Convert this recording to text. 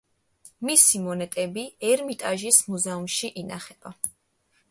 მისი მონეტები ერმიტაჟის მუზეუმში ინახება.